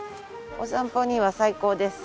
お散歩には最高です。